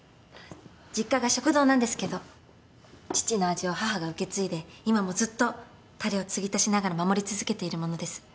実家が食堂なんですけど父の味を母が受け継いで今もずっとたれを継ぎ足しながら守り続けているものです。